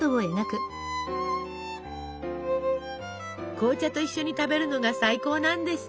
紅茶と一緒に食べるのが最高なんですって。